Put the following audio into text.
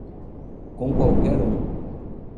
Com qualquer um